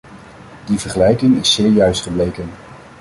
Die vergelijking is zeer juist gebleken.